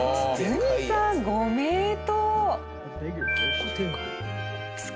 堤さんご名答！